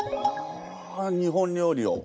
あ日本料理を。